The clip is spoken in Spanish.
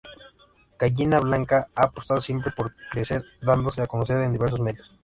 Gallina Blanca ha apostado siempre por crecer dándose a conocer en diversos medios.